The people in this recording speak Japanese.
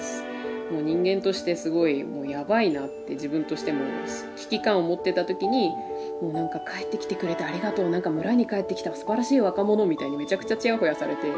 もう人間としてすごいやばいなって自分としても危機感を持ってた時にもうなんか「帰ってきてくれてありがとう」なんか「村に帰ってきたすばらしい若者」みたいにめちゃくちゃちやほやされて。